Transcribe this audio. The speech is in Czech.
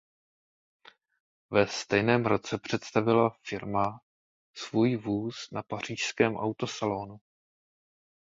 Ve stejném roce představila firma svůj vůz na Pařížském autosalonu.